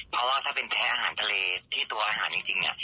เพราะว่าถ้าเป็นแพ้อาหารทะเลที่ตัวอาหารจริง